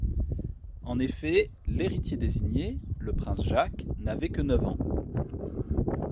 En effet l'héritier désigné, le prince Jacques n'avait que neuf ans.